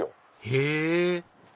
へぇ！